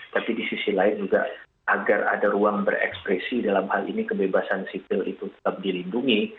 tapi di sisi lain juga agar ada ruang berekspresi dalam hal ini kebebasan sipil itu tetap dilindungi